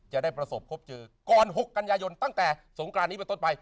จะได้ประสบพบเจอกรหกกัญญายนตั้งแต่สงครานนี้มาต้นไป